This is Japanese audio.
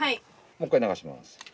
もう一回ながします。